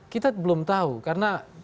kita belum tahu karena